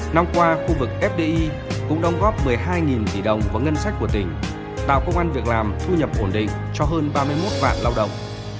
năm qua khu vực fdi cũng đồng góp một mươi hai tỷ đồng vào ngân sách của tỉnh tạo công an việc làm thu nhập ổn định cho hơn ba mươi một vạn lao động